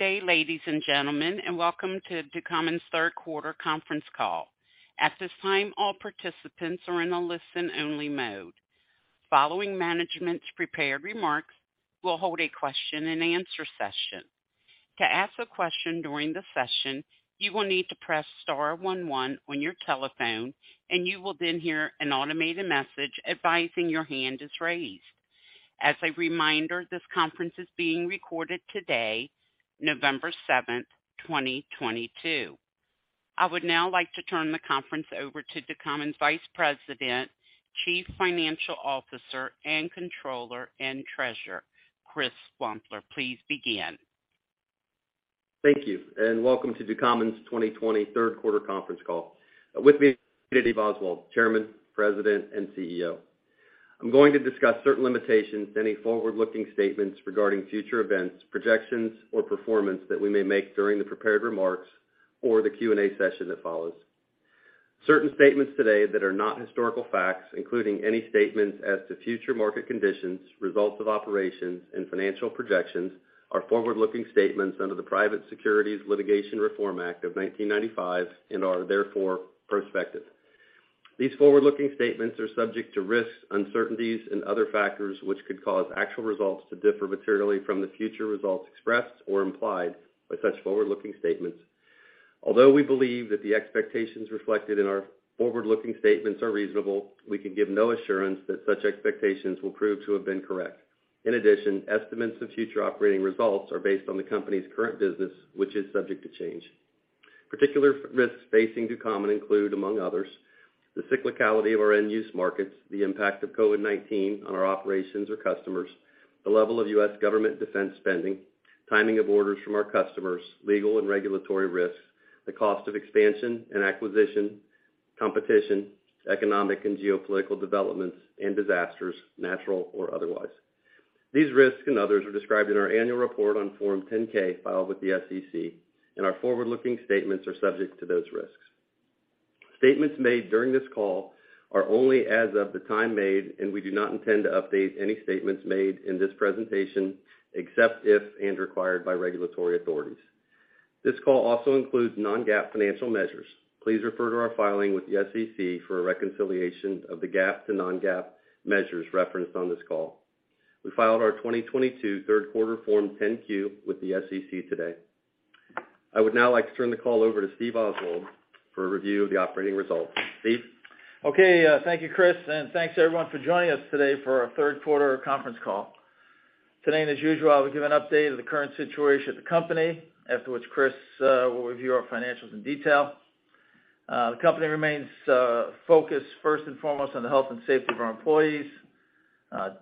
Good day, ladies and gentlemen, and welcome to Ducommun's third quarter conference call. At this time, all participants are in a listen-only mode. Following management's prepared remarks, we'll hold a question-and-answer session. To ask a question during the session, you will need to press star one one on your telephone, and you will then hear an automated message advising your hand is raised. As a reminder, this conference is being recorded today, November 7th, 2022. I would now like to turn the conference over to Ducommun's Vice President, Chief Financial Officer, and Controller and Treasurer, Chris Wampler. Please begin. Thank you, and welcome to Ducommun's 2022 third quarter conference call. With me is Steve Oswald, Chairman, President, and CEO. I'm going to discuss certain limitations to any forward-looking statements regarding future events, projections, or performance that we may make during the prepared remarks or the Q&A session that follows. Certain statements today that are not historical facts, including any statements as to future market conditions, results of operations, and financial projections, are forward-looking statements under the Private Securities Litigation Reform Act of 1995 and are therefore prospective. These forward-looking statements are subject to risks, uncertainties, and other factors which could cause actual results to differ materially from the future results expressed or implied by such forward-looking statements. Although we believe that the expectations reflected in our forward-looking statements are reasonable, we can give no assurance that such expectations will prove to have been correct. In addition, estimates of future operating results are based on the company's current business, which is subject to change. Particular risks facing Ducommun include, among others, the cyclicality of our end-use markets, the impact of COVID-19 on our operations or customers, the level of U.S. government defense spending, timing of orders from our customers, legal and regulatory risks, the cost of expansion and acquisition, competition, economic and geopolitical developments, and disasters, natural or otherwise. These risks and others are described in our annual report on Form 10-K filed with the SEC, and our forward-looking statements are subject to those risks. Statements made during this call are only as of the time made, and we do not intend to update any statements made in this presentation, except if and required by regulatory authorities. This call also includes non-GAAP financial measures. Please refer to our filing with the SEC for a reconciliation of the GAAP to non-GAAP measures referenced on this call. We filed our 2022 third quarter Form 10-Q with the SEC today. I would now like to turn the call over to Steve Oswald for a review of the operating results. Steve? Okay. Thank you, Chris, and thanks everyone for joining us today for our third quarter conference call. Today, as usual, I will give an update of the current situation at the company, after which Chris will review our financials in detail. The company remains focused first and foremost on the health and safety of our employees.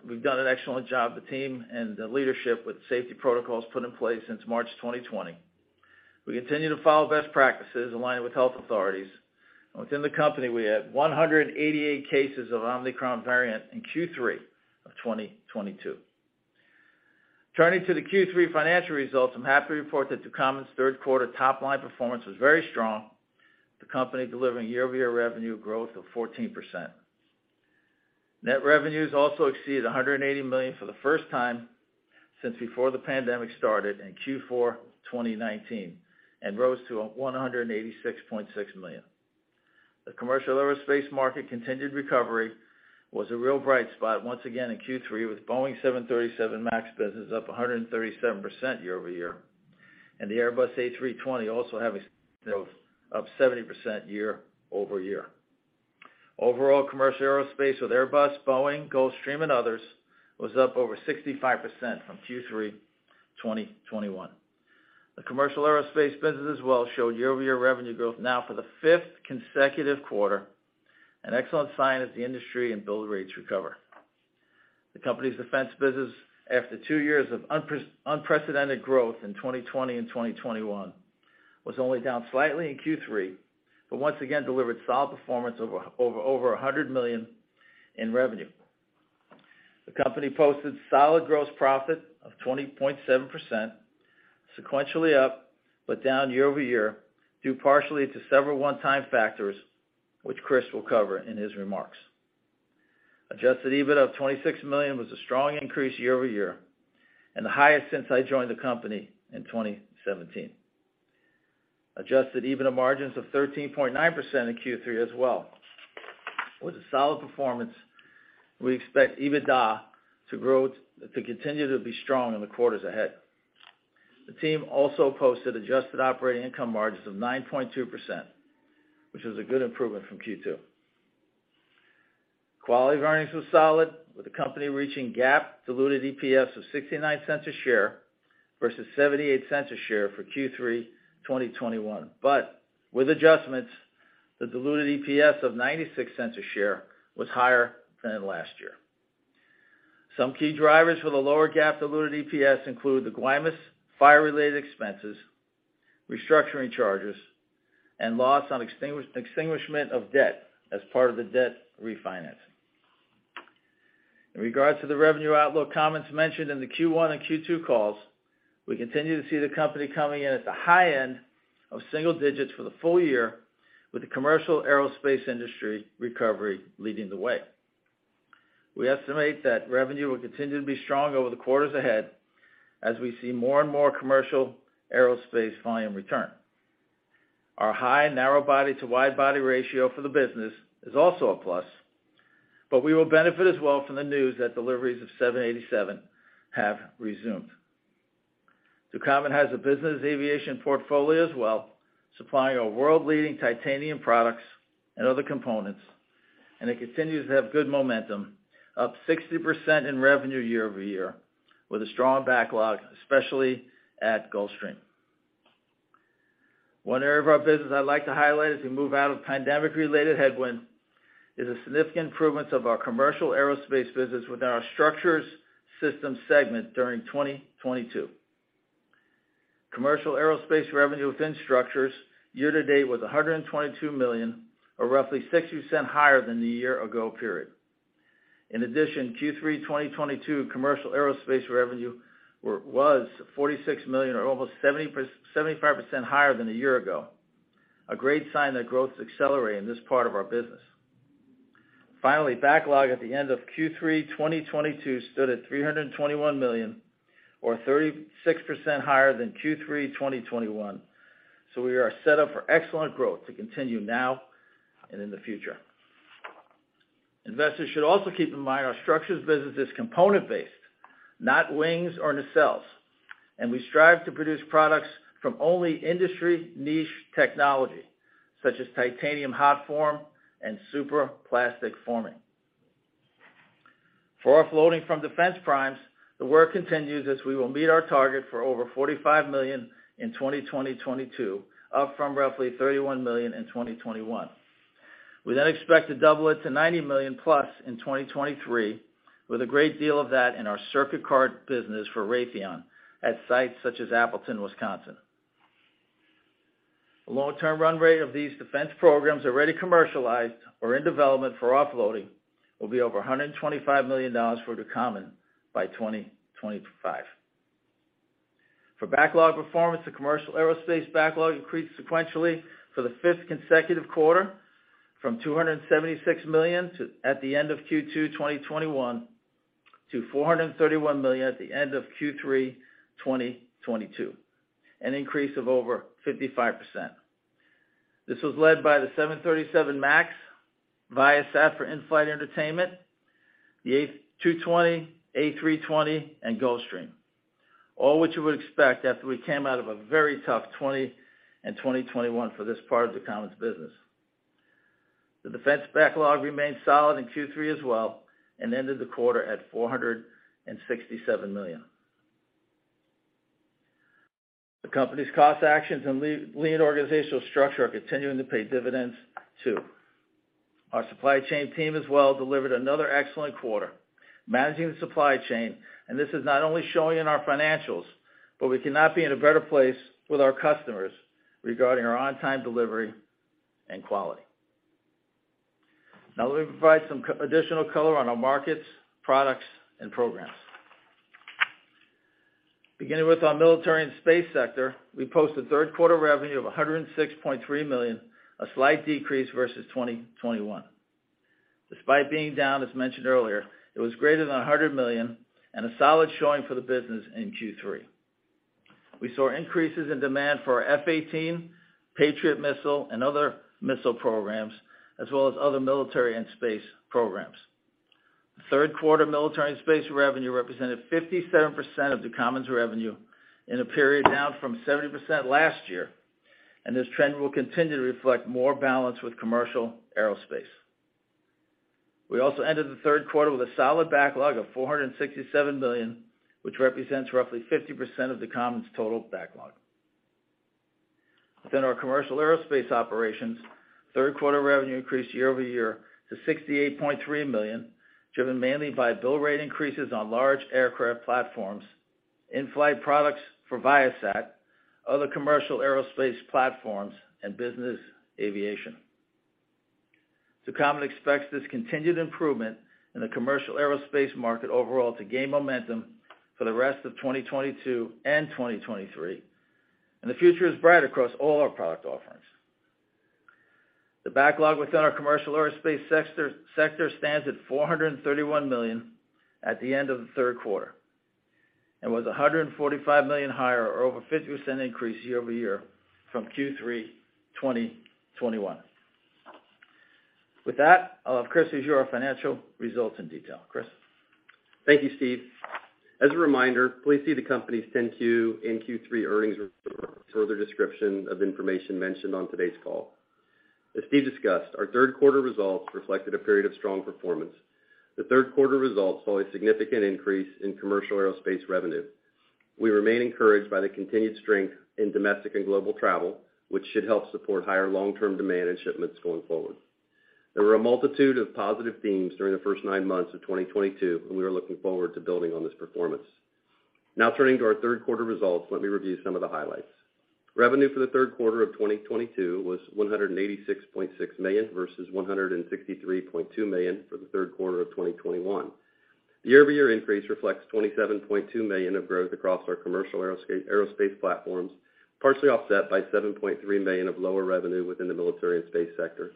We've done an excellent job, the team and the leadership, with safety protocols put in place since March 2020. We continue to follow best practices aligned with health authorities. Within the company, we had 188 cases of Omicron variant in Q3 of 2022. Turning to the Q3 financial results, I'm happy to report that Ducommun's third quarter top-line performance was very strong, the company delivering year-over-year revenue growth of 14%. Net revenues also exceeded $180 million for the first time since before the pandemic started in Q4 2019, and rose to $186.6 million. The commercial aerospace market continued recovery was a real bright spot once again in Q3, with Boeing 737 MAX business up 137% year-over-year, and the Airbus A320 also up 70% year-over-year. Overall, commercial aerospace with Airbus, Boeing, Gulfstream and others was up over 65% from Q3 2021. The commercial aerospace business as well showed year-over-year revenue growth now for the fifth consecutive quarter, an excellent sign as the industry and build rates recover. The company's defense business, after two years of unprecedented growth in 2020 and 2021, was only down slightly in Q3, but once again delivered solid performance over $100 million in revenue. The company posted solid gross profit of 20.7% sequentially up but down year-over-year, due partially to several one-time factors which Chris will cover in his remarks. Adjusted EBITDA of $26 million was a strong increase year-over-year and the highest since I joined the company in 2017. Adjusted EBITDA margins of 13.9% in Q3 as well was a solid performance. We expect EBITDA to continue to be strong in the quarters ahead. The team also posted adjusted operating income margins of 9.2%, which is a good improvement from Q2. Quality earnings was solid, with the company reaching GAAP diluted EPS of $0.69 a share versus $0.78 a share for Q3 2021. With adjustments, the diluted EPS of $0.96 a share was higher than last year. Some key drivers for the lower GAAP diluted EPS include the Guaymas fire-related expenses, restructuring charges, and loss on extinguishment of debt as part of the debt refinance. In regards to the revenue outlook comments mentioned in the Q1 and Q2 calls, we continue to see the company coming in at the high end of single digits% for the full year with the commercial aerospace industry recovery leading the way. We estimate that revenue will continue to be strong over the quarters ahead as we see more and more commercial aerospace volume return. Our high narrow body to wide body ratio for the business is also a plus, but we will benefit as well from the news that deliveries of 787 have resumed. Ducommun has a business aviation portfolio as well, supplying our world-leading titanium products and other components, and it continues to have good momentum, up 60% in revenue year-over-year with a strong backlog, especially at Gulfstream. One area of our business I'd like to highlight as we move out of pandemic-related headwinds is the significant improvements of our commercial aerospace business within our Structural Systems segment during 2022. Commercial aerospace revenue within structures year-to-date was $122 million, or roughly 60% higher than the year ago period. In addition, Q3 2022 commercial aerospace revenue was $46 million or almost 75% higher than a year ago. A great sign that growth is accelerating in this part of our business. Finally, backlog at the end of Q3 2022 stood at $321 million or 36% higher than Q3 2021. We are set up for excellent growth to continue now and in the future. Investors should also keep in mind our structures business is component-based, not wings or nacelles, and we strive to produce products from only industry niche technology such as titanium hot forming and superplastic forming. For offloading from defense primes, the work continues as we will meet our target for over $45 million in 2022, up from roughly $31 million in 2021. We then expect to double it to $90 million-plus in 2023, with a great deal of that in our circuit card business for Raytheon at sites such as Appleton, Wisconsin. The long-term run rate of these defense programs already commercialized or in development for offloading will be over $125 million for Ducommun by 2025. For backlog performance, the commercial aerospace backlog increased sequentially for the fifth consecutive quarter from $276 million at the end of Q2 2021 to $431 million at the end of Q3 2022, an increase of over 55%. This was led by the 737 MAX, Viasat for in-flight entertainment, the A220, A320, and Gulfstream. All, which you would expect after we came out of a very tough 2020 and 2021 for this part of Ducommun's business. The defense backlog remained solid in Q3 as well and ended the quarter at $467 million. The company's cost actions and lean organizational structure are continuing to pay dividends too. Our supply chain team as well delivered another excellent quarter, managing the supply chain, and this is not only showing in our financials, but we cannot be in a better place with our customers regarding our on-time delivery and quality. Now let me provide some additional color on our markets, products, and programs. Beginning with our military and space sector, we posted third quarter revenue of $106.3 million, a slight decrease versus 2021. Despite being down, as mentioned earlier, it was greater than $100 million and a solid showing for the business in Q3. We saw increases in demand for our F-18, Patriot missile, and other missile programs, as well as other military and space programs. Third quarter military and space revenue represented 57% of Ducommun's revenue, in a period down from 70% last year. This trend will continue to reflect more balance with commercial aerospace. We also ended the third quarter with a solid backlog of $467 million, which represents roughly 50% of Ducommun's total backlog. Within our commercial aerospace operations, third quarter revenue increased year-over-year to $68.3 million, driven mainly by bill rate increases on large aircraft platforms, in-flight products for Viasat, other commercial aerospace platforms, and business aviation. Ducommun expects this continued improvement in the commercial aerospace market overall to gain momentum for the rest of 2022 and 2023, and the future is bright across all our product offerings. The backlog within our commercial aerospace sector stands at $431 million at the end of the third quarter. Was $145 million higher or over 50% increase year-over-year from Q3 2021. With that, I'll have Chris issue our financial results in detail. Chris? Thank you, Steve. As a reminder, please see the company's 10-Q and Q3 earnings for further description of information mentioned on today's call. As Steve discussed, our third quarter results reflected a period of strong performance. The third quarter results saw a significant increase in commercial aerospace revenue. We remain encouraged by the continued strength in domestic and global travel, which should help support higher long-term demand and shipments going forward. There were a multitude of positive themes during the first nine months of 2022, and we are looking forward to building on this performance. Now turning to our third quarter results, let me review some of the highlights. Revenue for the third quarter of 2022 was $186.6 million versus $163.2 million for the third quarter of 2021. The year-over-year increase reflects $27.2 million of growth across our commercial aerospace platforms, partially offset by $7.3 million of lower revenue within the military and space sector.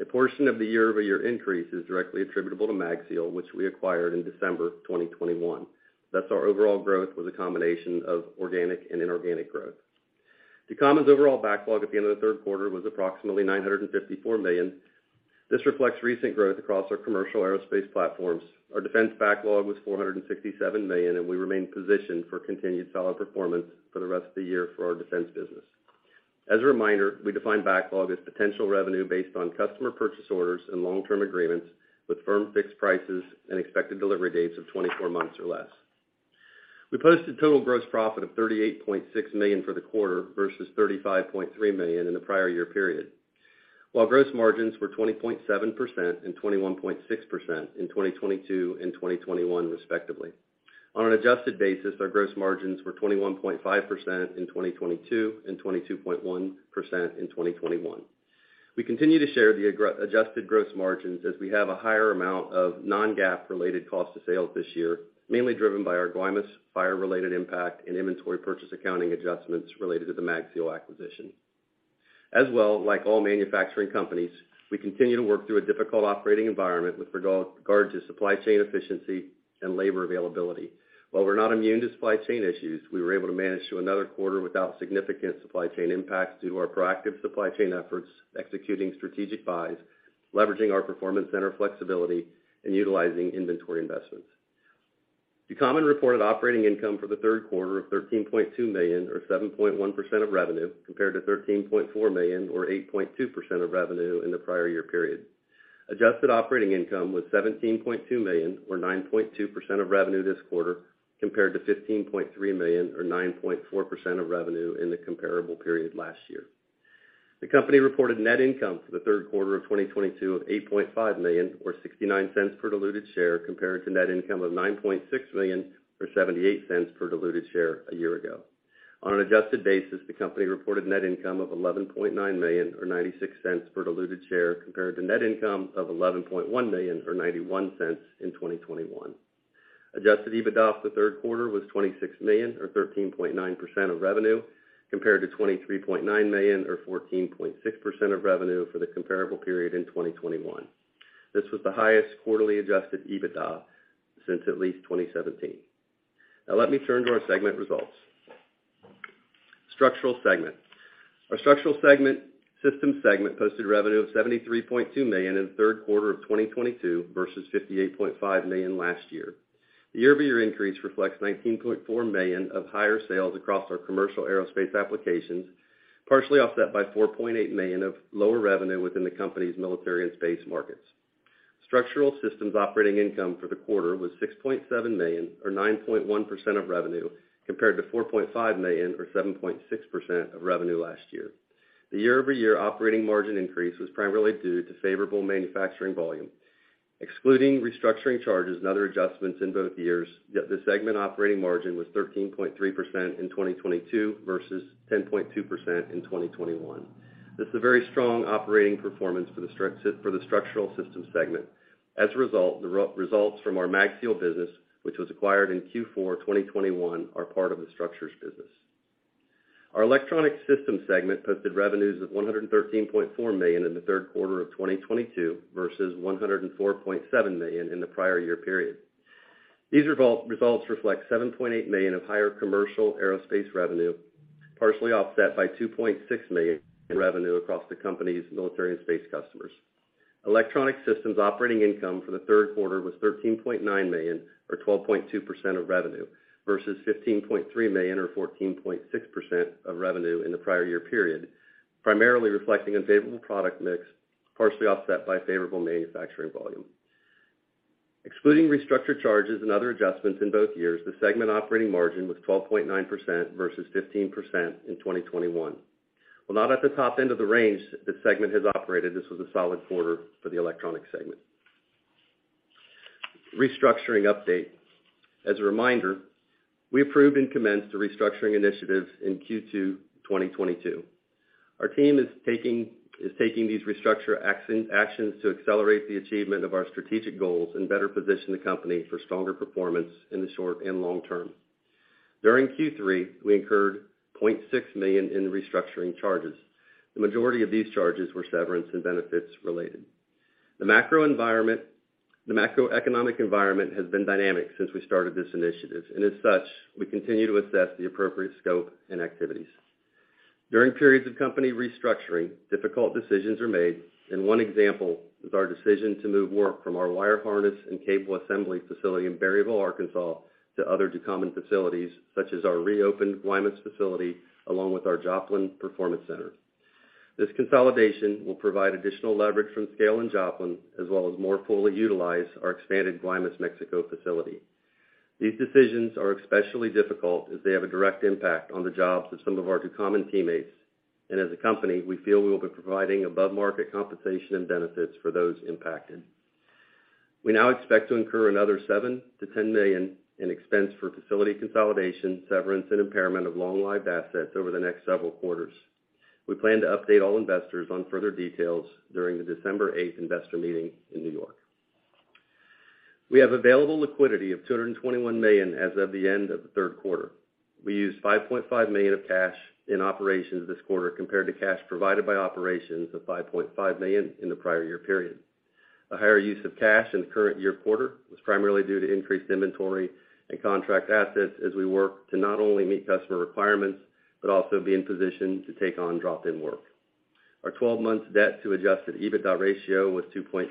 A portion of the year-over-year increase is directly attributable to MagSeal, which we acquired in December 2021. Thus, our overall growth was a combination of organic and inorganic growth. Ducommun's overall backlog at the end of the third quarter was approximately $954 million. This reflects recent growth across our commercial aerospace platforms. Our defense backlog was $467 million, and we remain positioned for continued solid performance for the rest of the year for our defense business. As a reminder, we define backlog as potential revenue based on customer purchase orders and long-term agreements with firm fixed prices and expected delivery dates of 24 months or less. We posted total gross profit of $38.6 million for the quarter versus $35.3 million in the prior year period, while gross margins were 20.7% and 21.6% in 2022 and 2021, respectively. On an adjusted basis, our gross margins were 21.5% in 2022 and 22.1% in 2021. We continue to share the adjusted gross margins as we have a higher amount of non-GAAP related cost of sales this year, mainly driven by our Guaymas fire-related impact and inventory purchase accounting adjustments related to the MagSeal acquisition. Like all manufacturing companies, we continue to work through a difficult operating environment with regard to supply chain efficiency and labor availability. While we're not immune to supply chain issues, we were able to manage through another quarter without significant supply chain impacts due to our proactive supply chain efforts, executing strategic buys, leveraging our performance center flexibility, and utilizing inventory investments. Ducommun reported operating income for the third quarter of $13.2 million, or 7.1% of revenue, compared to $13.4 million, or 8.2% of revenue in the prior year period. Adjusted operating income was $17.2 million, or 9.2% of revenue this quarter, compared to $15.3 million, or 9.4% of revenue in the comparable period last year. The company reported net income for the third quarter of 2022 of $8.5 million, or $0.69 per diluted share, compared to net income of $9.6 million, or $0.78 per diluted share a year ago. On an adjusted basis, the company reported net income of $11.9 million, or $0.96 per diluted share, compared to net income of $11.1 million, or $0.91 in 2021. Adjusted EBITDA for the third quarter was $26 million or 13.9% of revenue, compared to $23.9 million or 14.6% of revenue for the comparable period in 2021. This was the highest quarterly adjusted EBITDA since at least 2017. Now let me turn to our segment results. Structural segment. Our Structural Systems segment posted revenue of $73.2 million in the third quarter of 2022 versus $58.5 million last year. The year-over-year increase reflects $19.4 million of higher sales across our commercial aerospace applications, partially offset by $4.8 million of lower revenue within the company's military and space markets. Structural Systems operating income for the quarter was $6.7 million or 9.1% of revenue, compared to $4.5 million or 7.6% of revenue last year. The year-over-year operating margin increase was primarily due to favorable manufacturing volume. Excluding restructuring charges and other adjustments in both years, the segment operating margin was 13.3% in 2022 versus 10.2% in 2021. This is a very strong operating performance for the Structural Systems segment. As a result, the results from our MagSeal business, which was acquired in Q4 2021, are part of the structures business. Our Electronic Systems segment posted revenues of $113.4 million in the third quarter of 2022 versus $104.7 million in the prior year period. These results reflect $7.8 million of higher commercial aerospace revenue, partially offset by $2.6 million in revenue across the company's military and space customers. Electronic Systems operating income for the third quarter was $13.9 million or 12.2% of revenue versus $15.3 million or 14.6% of revenue in the prior year period, primarily reflecting unfavorable product mix, partially offset by favorable manufacturing volume. Excluding restructuring charges and other adjustments in both years, the segment operating margin was 12.9% versus 15% in 2021. While not at the top end of the range this segment has operated, this was a solid quarter for the electronic segment. Restructuring update. As a reminder, we approved and commenced the restructuring initiatives in Q2 2022. Our team is taking these restructuring actions to accelerate the achievement of our strategic goals and better position the company for stronger performance in the short and long term. During Q3, we incurred $0.6 million in restructuring charges. The majority of these charges were severance and benefits-related. The macroeconomic environment has been dynamic since we started this initiative. As such, we continue to assess the appropriate scope and activities. During periods of company restructuring, difficult decisions are made, and one example is our decision to move work from our wire harness and cable assembly facility in Berryville, Arkansas, to other Ducommun facilities such as our reopened Guaymas facility along with our Joplin Performance Center. This consolidation will provide additional leverage from scale in Joplin, as well as more fully utilize our expanded Guaymas, Mexico, facility. These decisions are especially difficult as they have a direct impact on the jobs of some of our Ducommun teammates. As a company, we feel we will be providing above-market compensation and benefits for those impacted. We now expect to incur another $7 million-$10 million in expense for facility consolidation, severance, and impairment of long-lived assets over the next several quarters. We plan to update all investors on further details during the December 8th investor meeting in New York. We have available liquidity of $221 million as of the end of the third quarter. We used $5.5 million of cash in operations this quarter compared to cash provided by operations of $5.5 million in the prior year period. A higher use of cash in the current year quarter was primarily due to increased inventory and contract assets as we work to not only meet customer requirements, but also be in position to take on drop-in work. Our 12-month debt-to-adjusted EBITDA ratio was 2.6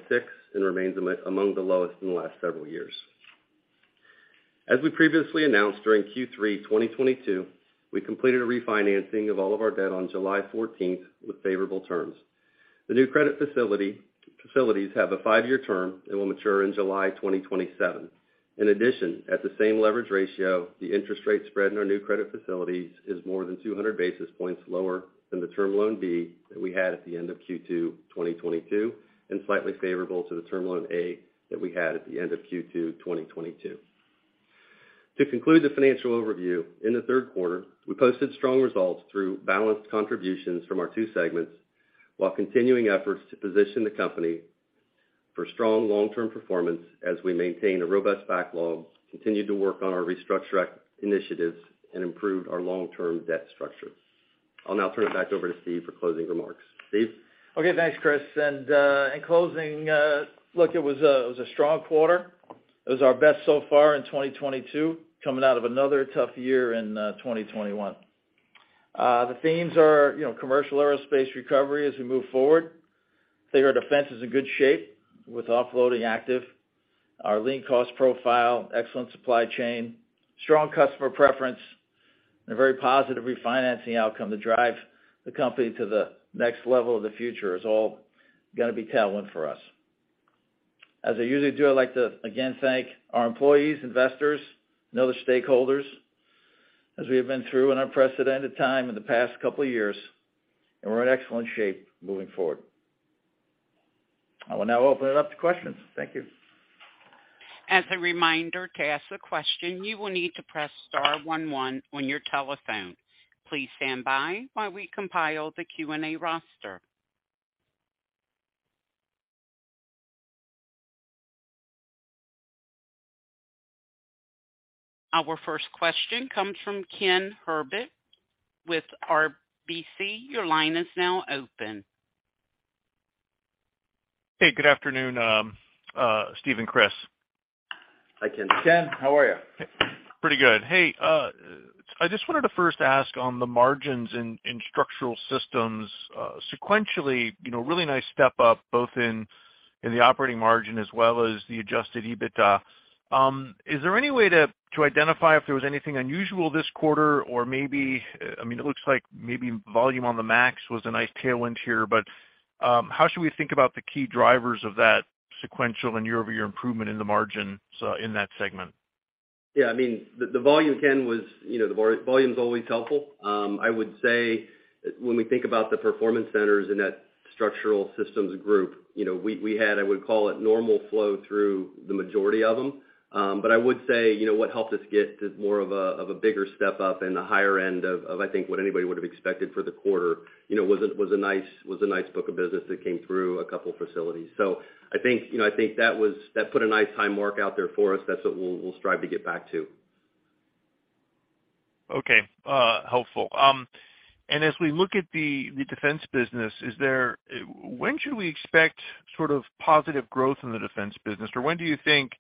and remains among the lowest in the last several years. As we previously announced during Q3 2022, we completed a refinancing of all of our debt on July 14th with favorable terms. The new credit facilities have a 5-year term and will mature in July 2027. In addition, at the same leverage ratio, the interest rate spread in our new credit facilities is more than 200 basis points lower than the Term Loan B that we had at the end of Q2 2022, and slightly favorable to the Term Loan A that we had at the end of Q2 2022. To conclude the financial overview, in the third quarter, we posted strong results through balanced contributions from our two segments while continuing efforts to position the company for strong long-term performance as we maintain a robust backlog, continue to work on our restructure initiatives, and improve our long-term debt structure. I'll now turn it back over to Steve for closing remarks. Steve? Okay, thanks, Chris. In closing, look, it was a strong quarter. It was our best so far in 2022, coming out of another tough year in 2021. The themes are, you know, commercial aerospace recovery as we move forward. I think our defense is in good shape with offloading active. Our lean cost profile, excellent supply chain, strong customer preference, and a very positive refinancing outcome to drive the company to the next level of the future is all gonna be tailwind for us. As I usually do, I'd like to, again, thank our employees, investors, and other stakeholders as we have been through an unprecedented time in the past couple of years, and we're in excellent shape moving forward. I will now open it up to questions. Thank you. As a reminder, to ask a question, you will need to press star one one on your telephone. Please stand by while we compile the Q&A roster. Our first question comes from Ken Herbert with RBC. Your line is now open. Hey, good afternoon, Steve and Chris. Hi, Ken. Ken, how are you? Pretty good. Hey, I just wanted to first ask on the margins in Structural Systems, sequentially, you know, really nice step up both in the operating margin as well as the adjusted EBITDA. Is there any way to identify if there was anything unusual this quarter or maybe, I mean, it looks like maybe volume on the MAX was a nice tailwind here, but how should we think about the key drivers of that sequential and year-over-year improvement in the margin, so in that segment? Yeah, I mean, the volume, Ken, was, you know, the volume is always helpful. I would say when we think about the performance centers in that Structural Systems group, you know, we had, I would call it, normal flow through the majority of them. I would say, you know, what helped us get to more of a bigger step up in the higher end of I think what anybody would have expected for the quarter, you know, was a nice book of business that came through a couple of facilities. I think, you know, I think that put a nice high mark out there for us. That's what we'll strive to get back to. Okay, helpful. As we look at the defense business, when should we expect sort of positive growth in the defense business? Or when do you think,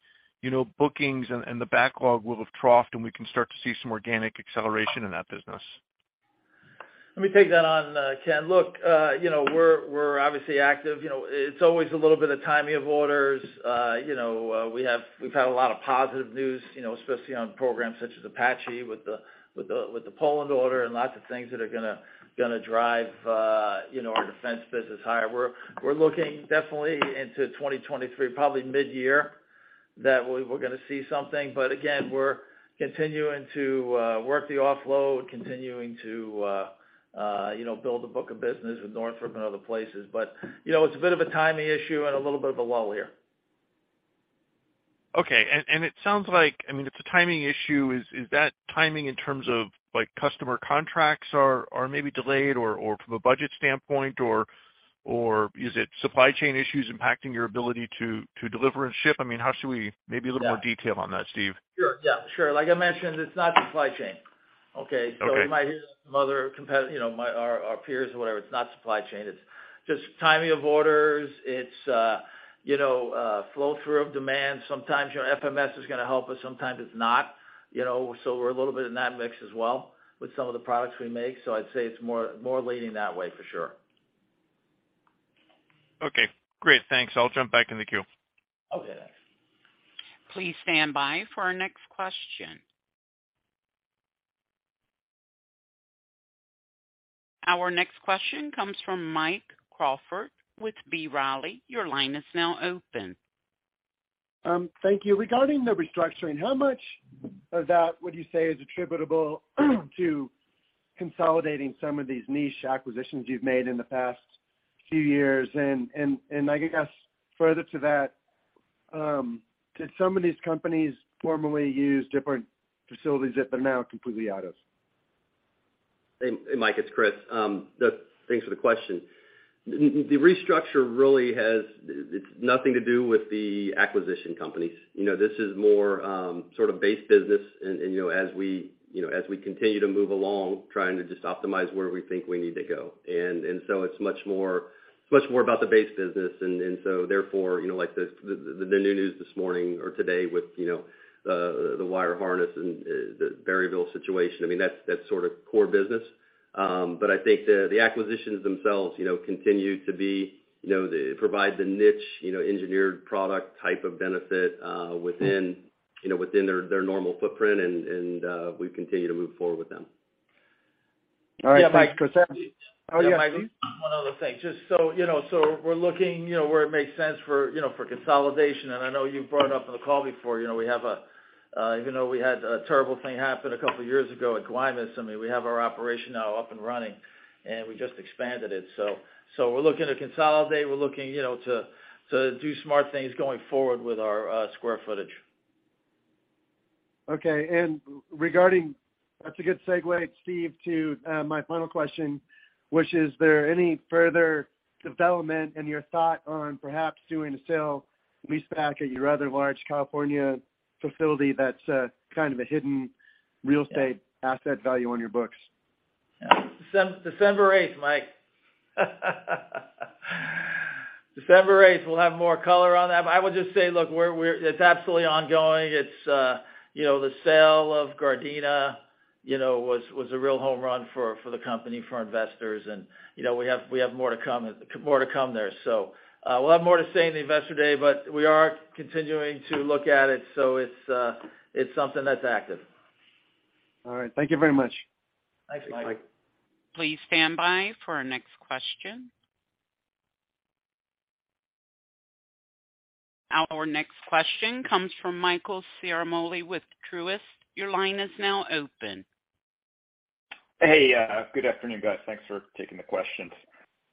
you know, bookings and the backlog will have troughed, and we can start to see some organic acceleration in that business? Let me take that on, Ken. Look, you know, we're obviously active. You know, it's always a little bit of timing of orders. We've had a lot of positive news, you know, especially on programs such as Apache with the Poland order and lots of things that are gonna drive our defense business higher. We're looking definitely into 2023, probably midyear, that we're gonna see something. We're continuing to work the offload, continuing to build the book of business with Northrop Grumman and other places. You know, it's a bit of a timing issue and a little bit of a lull here. Okay. It sounds like, I mean, if the timing issue is that timing in terms of like customer contracts are maybe delayed or from a budget standpoint, or is it supply chain issues impacting your ability to deliver and ship? I mean, how should we maybe a little more detail on that, Steve? Sure. Yeah, sure. Like I mentioned, it's not supply chain. Okay? Okay. You might hear some other competitors, you know, our peers or whatever. It's not supply chain. It's just timing of orders. It's you know, flow through of demand. Sometimes your FMS is gonna help us, sometimes it's not, you know. We're a little bit in that mix as well with some of the products we make. I'd say it's more leading that way for sure. Okay, great. Thanks. I'll jump back in the queue. Okay, thanks. Please stand by for our next question. Our next question comes from Mike Crawford with B. Riley. Your line is now open. Thank you. Regarding the restructuring, how much of that would you say is attributable to consolidating some of these niche acquisitions you've made in the past few years? I guess further to that, did some of these companies formerly use different facilities that they're now completely out of? Hey, Mike, it's Chris. Thanks for the question. The restructure, it's nothing to do with the acquisition companies. You know, this is more, sort of base business and, you know, as we continue to move along, trying to just optimize where we think we need to go. It's much more about the base business. Therefore, you know, like the new news this morning or today with, you know, the wire harness and the Berryville situation, I mean, that's sort of core business. But I think the acquisitions themselves, you know, continue to be, you know, provide the niche, you know, engineered product type of benefit, within their normal footprint and, we continue to move forward with them. All right, thanks. Yeah, Mike. Oh, yeah. One other thing, just so you know, so we're looking, you know, where it makes sense for, you know, for consolidation. I know you brought it up on the call before. You know, we have a even though we had a terrible thing happen a couple of years ago at Guaymas, I mean, we have our operation now up and running, and we just expanded it. We're looking to consolidate, we're looking, you know, to do smart things going forward with our square footage. Okay. That's a good segue, Steve, to my final question, which is there any further development in your thought on perhaps doing a sale-leaseback at your rather large California facility that's kind of a hidden real estate asset value on your books? December 8th, Mike. December 8th, we'll have more color on that, but I would just say, look, it's absolutely ongoing. It's you know, the sale of Gardena you know was a real home run for the company, for our investors. You know, we have more to come there. We'll have more to say in the Investor Day, but we are continuing to look at it. It's something that's active. All right. Thank you very much. Thanks, Mike. Thanks. Please stand by for our next question. Our next question comes from Michael Ciarmoli with Truist. Your line is now open. Hey, good afternoon, guys. Thanks for taking the questions.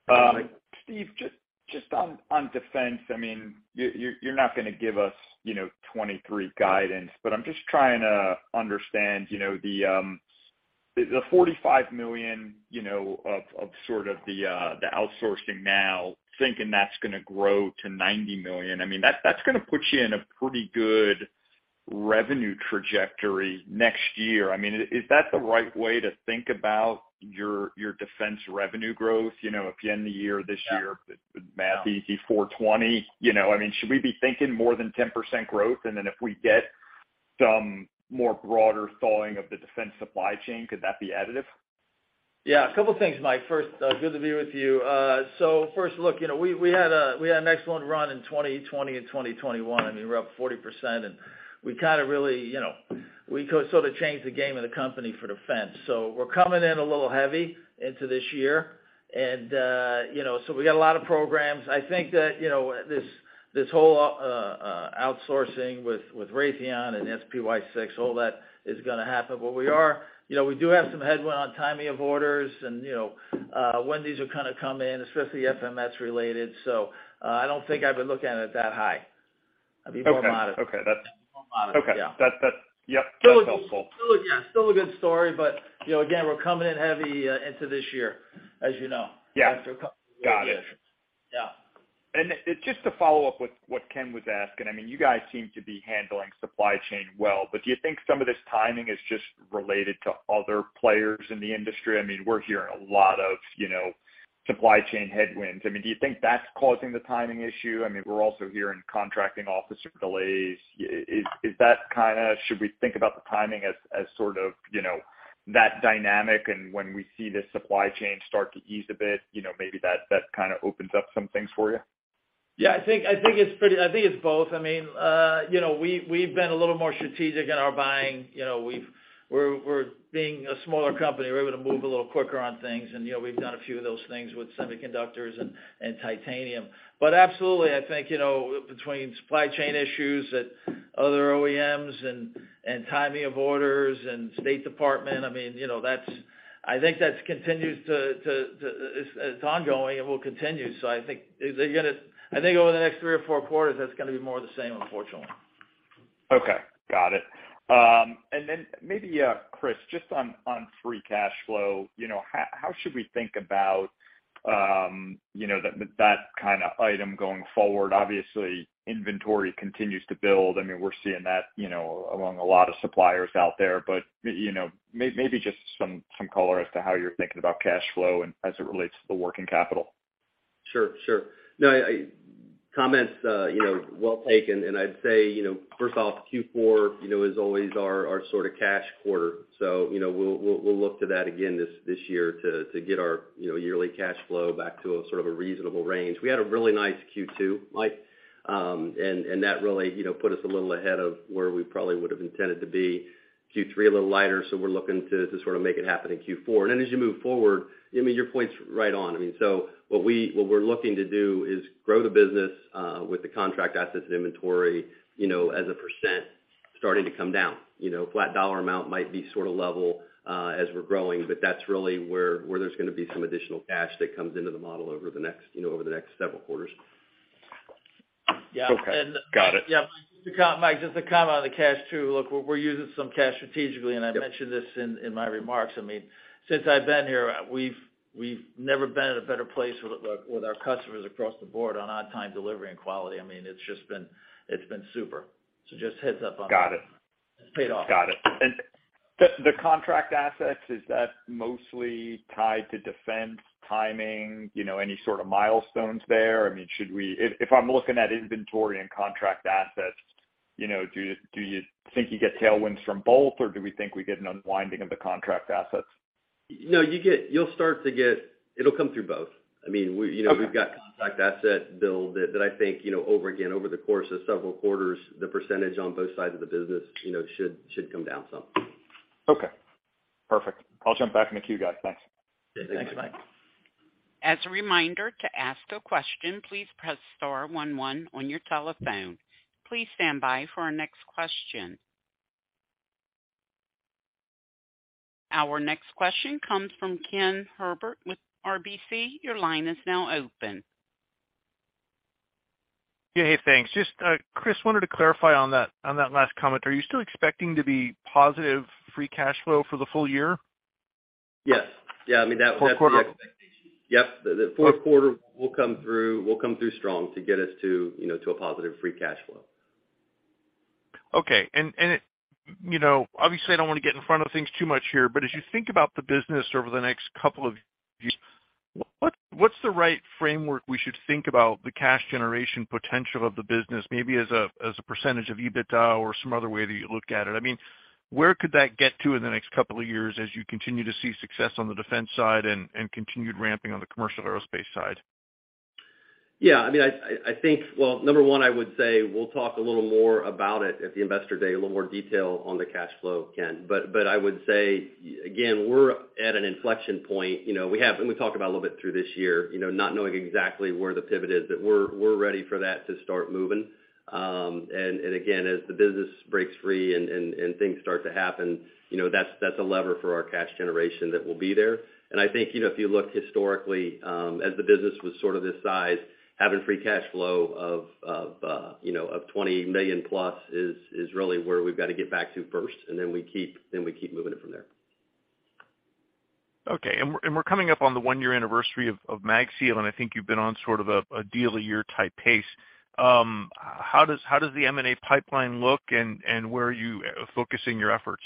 Hey, Mike. Steve, just on defense, I mean, you're not gonna give us, you know, 2023 guidance, but I'm just trying to understand, you know, the $45 million, you know, of sort of the outsourcing now, thinking that's gonna grow to $90 million. I mean, that's gonna put you in a pretty good revenue trajectory next year. I mean, is that the right way to think about your defense revenue growth? You know, if you end the year this year. Yeah. The math is easy, 420. You know, I mean, should we be thinking more than 10% growth? If we get some more broader thawing of the defense supply chain, could that be additive? Yeah, a couple of things, Mike. First, good to be with you. First, look, you know, we had an excellent run in 2020 and 2021. I mean, we're up 40% and we kinda really, you know, sort of changed the game of the company for defense. We're coming in a little heavy into this year. You know, we got a lot of programs. I think that, you know, this whole outsourcing with Raytheon and SPY-6, all that is gonna happen. But we, you know, do have some headwind on timing of orders and, you know, when these will kinda come in, especially FMS related. I don't think I would look at it that high. Okay. I'd be more modest. Okay. More modest, yeah. Okay. Yep. That's helpful. Still, yeah, still a good story. You know, again, we're coming in heavy into this year, as you know. Yeah. After a couple of years. Got it. Yeah. Just to follow up with what Ken was asking, I mean, you guys seem to be handling supply chain well, but do you think some of this timing is just related to other players in the industry? I mean, we're hearing a lot of, you know, supply chain headwinds. I mean, do you think that's causing the timing issue? I mean, we're also hearing contracting officer delays. Should we think about the timing as sort of, you know, that dynamic and when we see the supply chain start to ease a bit, you know, maybe that kinda opens up some things for you? Yeah, I think it's both. I mean, you know, we've been a little more strategic in our buying. You know, we're being a smaller company. We're able to move a little quicker on things. You know, we've done a few of those things with semiconductors and titanium. Absolutely, I think, you know, between supply chain issues at other OEMs and timing of orders and State Department, I mean, you know, that's ongoing. It will continue. I think over the next three or four quarters, that's gonna be more of the same, unfortunately. Okay. Got it. Maybe Chris, just on free cash flow, you know, how should we think about, you know, that kind of item going forward? Obviously, inventory continues to build. I mean, we're seeing that, you know, among a lot of suppliers out there. You know, maybe just some color as to how you're thinking about cash flow and as it relates to the working capital. Sure, sure. No, comments well taken. I'd say, first off, Q4 is always our sort of cash quarter. You know, we'll look to that again this year to get our yearly cash flow back to a sort of reasonable range. We had a really nice Q2, Mike. And that really put us a little ahead of where we probably would have intended to be. Q3, a little lighter, so we're looking to sort of make it happen in Q4. Then as you move forward, I mean, your point's right on. I mean, what we're looking to do is grow the business with the contract assets and inventory, you know, as a percent starting to come down. You know, flat dollar amount might be sort of level as we're growing, but that's really where there's gonna be some additional cash that comes into the model over the next, you know, over the next several quarters. Yeah. Okay. Got it. Yeah. Mike, just to comment on the cash too. Look, we're using some cash strategically, and I mentioned this in my remarks. I mean, since I've been here, we've never been in a better place with our customers across the board on-time delivery and quality. I mean, it's just been super. Just a heads up on that. Got it. It's paid off. Got it. The contract assets, is that mostly tied to defense timing? You know, any sort of milestones there? I mean, if I'm looking at inventory and contract assets, you know, do you think you get tailwinds from both or do we think we get an unwinding of the contract assets? No, you get. You'll start to get. It'll come through both. I mean, we, you know. Okay. We've got contract asset build that I think, you know, over the course of several quarters, the percentage on both sides of the business, you know, should come down some. Okay. Perfect. I'll jump back in the queue, guys. Thanks. Thanks, Mike. Yeah, thank you. As a reminder, to ask a question, please press star one one on your telephone. Please stand by for our next question. Our next question comes from Ken Herbert with RBC. Your line is now open. Yeah. Hey, thanks. Just, Chris, wanted to clarify on that last comment. Are you still expecting to be positive free cash flow for the full year? Yes. Yeah, I mean. Fourth quarter? That's the expectation. Yep. The fourth quarter will come through strong to get us to, you know, to a positive free cash flow. Okay. You know, obviously, I don't wanna get in front of things too much here, but as you think about the business over the next couple of years, what's the right framework we should think about the cash generation potential of the business maybe as a percentage of EBITDA or some other way that you look at it? I mean, where could that get to in the next couple of years as you continue to see success on the defense side and continued ramping on the commercial aerospace side? Yeah, I mean, I think well, number one, I would say we'll talk a little more about it at the Investor Day, a little more detail on the cash flow, Ken. I would say, again, we're at an inflection point. You know, we talked about a little bit through this year, you know, not knowing exactly where the pivot is, but we're ready for that to start moving. And again, as the business breaks free and things start to happen, you know, that's a lever for our cash generation that will be there. I think, you know, if you look historically, as the business was sort of this size, having free cash flow of, you know, $20 million+ is really where we've got to get back to first, and then we keep moving it from there. Okay. We're coming up on the one-year anniversary of MagSeal, and I think you've been on sort of a deal-a-year type pace. How does the M&A pipeline look, and where are you focusing your efforts?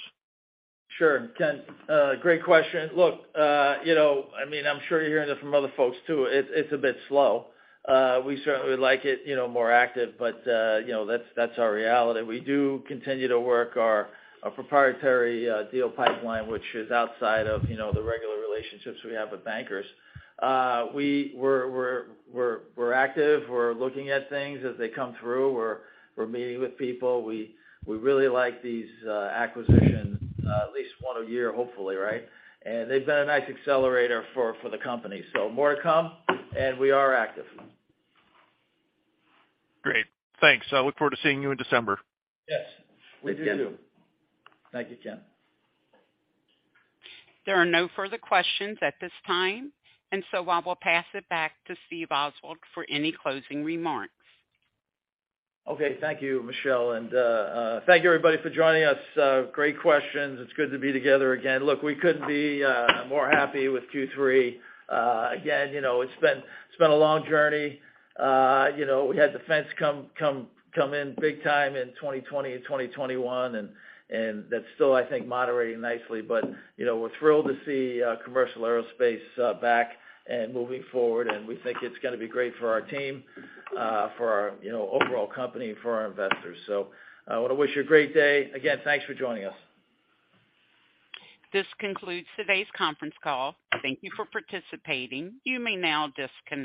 Sure, Ken. Great question. Look, you know, I mean, I'm sure you're hearing it from other folks too. It's a bit slow. We certainly would like it, you know, more active, but, you know, that's our reality. We do continue to work our proprietary deal pipeline, which is outside of, you know, the regular relationships we have with bankers. We're active. We're looking at things as they come through. We're meeting with people. We really like these acquisitions, at least one a year, hopefully, right? And they've been a nice accelerator for the company. More to come, and we are active. Great. Thanks. I look forward to seeing you in December. Yes. We do too. Thank you. Thank you, Ken. There are no further questions at this time, and so I will pass it back to Steve Oswald for any closing remarks. Okay. Thank you, Michelle. Thank you everybody for joining us. Great questions. It's good to be together again. Look, we couldn't be more happy with Q3. Again, you know, it's been a long journey. You know, we had defense come in big time in 2020 and 2021, and that's still, I think, moderating nicely. You know, we're thrilled to see commercial aerospace back and moving forward, and we think it's gonna be great for our team, for our, you know, overall company, for our investors. I wanna wish you a great day. Again, thanks for joining us. This concludes today's conference call. Thank you for participating. You may now disconnect.